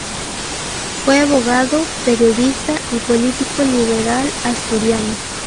Fue abogado, periodista y político liberal asturiano.